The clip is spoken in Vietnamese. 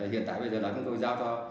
hiện tại bây giờ là chúng tôi giao cho